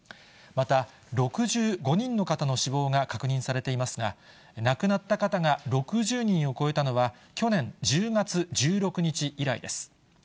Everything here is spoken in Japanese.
また、６５人の方の死亡が確認されていますが、亡くなった方が６０人を超えたのは、去年１０月１６日以来です。